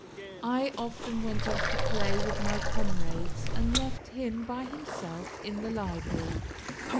I often went off to play with my comrades, and left him by himself in the library.